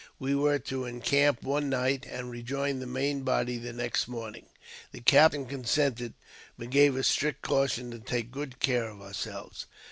We were to encamp one night, and rejoin the main body the next morning. The captain consented, but gave us strict caution to take good care of ourselves.